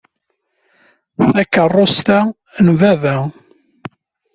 Takeṛṛust-a n baba.